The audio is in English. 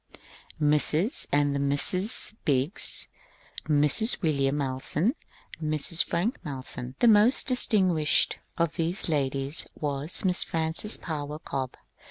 Mrs. and the Misses Biggs, Mrs. William Malleson, Mrs. Frank Malleson. The most distinguished of these ladies was Miss Frances Power Cobbe.